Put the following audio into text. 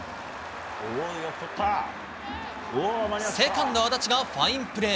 セカンド安達がファインプレー！